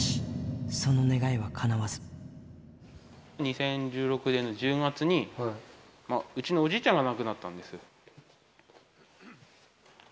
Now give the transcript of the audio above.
しかし、２０１６年の１０月に、うちのおじいちゃんが亡くなったんですよ。